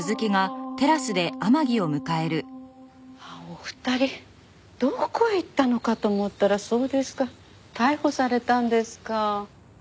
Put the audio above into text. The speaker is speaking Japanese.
『Ｈｏｍｅ，ＳｗｅｅｔＨｏｍｅ』お二人どこへ行ったのかと思ったらそうですか逮捕されたんですか。